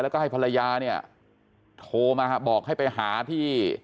แล้วก็ให้ภรรยาเนี่ยโทรมาบอกให้ไปหาที่